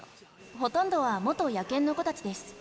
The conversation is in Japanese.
ほとんどは元野犬の子たちです。